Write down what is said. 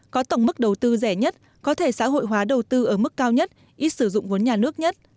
có tổng mức đầu tư rẻ nhất có thể xã hội hóa đầu tư ở mức cao nhất ít sử dụng vốn nhà nước nhất